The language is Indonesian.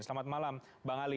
selamat malam bang ali